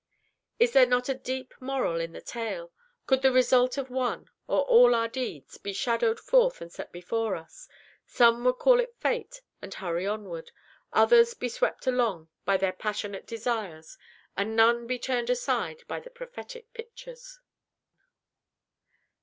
Is there not a deep moral in the tale? Could the result of one, or all our deeds, be shadowed forth and set before us some would call it Fate and hurry onward, others be swept along by their passionate desires and none be turned aside by the PROPHETIC PICTURES.